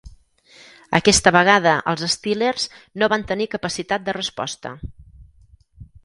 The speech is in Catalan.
Aquesta vegada, els Steelers no van tenir capacitat de resposta.